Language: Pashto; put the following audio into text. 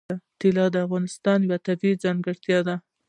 طلا د افغانستان یوه طبیعي ځانګړتیا ده.